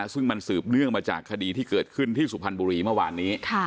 ซึ่งมันสืบเนื่องมาจากคดีที่เกิดขึ้นที่สุพรรณบุรีเมื่อวานนี้